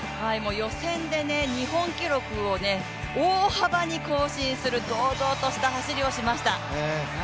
予選で日本記録を大幅に更新する堂々とした走りをしました。